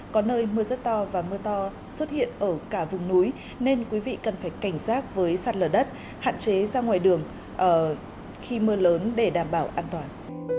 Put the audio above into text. có nơi mưa rất to và mưa to xuất hiện ở cả vùng núi nên quý vị cần phải cảnh giác với sạt lở đất hạn chế ra ngoài đường khi mưa lớn để đảm bảo an toàn